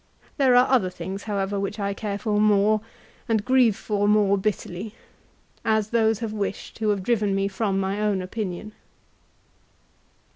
There are other things, however, which I care for more, and grieve for more bitterly, as those have wished who have driven me from my own opinion."